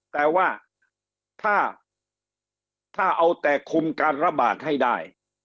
แต่ว่าถ้าเอาแต่คุมการระบาดให้ได้